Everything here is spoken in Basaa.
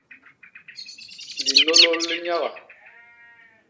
Linôlôl li nyaga.